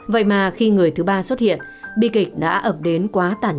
vậy mà khi người thứ ba xuất hiện bi kịch đã ập đến quá tản